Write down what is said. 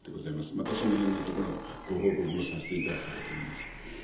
またそのへんのところのご報告もさせていただきたいと思います。